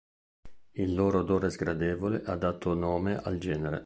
Il loro odore sgradevole ha dato nome al genere.